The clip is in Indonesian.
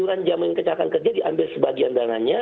aturan jaminan kecelakaan kerja diambil sebagian dananya